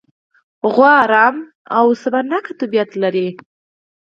غوا ارامه او صبرناکه طبیعت لري.